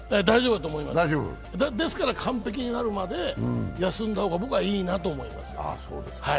ですから完璧になるまで休んだ方が僕はいいなと思います。